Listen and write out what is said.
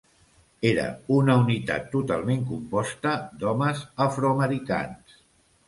Era una unitat totalment composta d'homes afroamericans.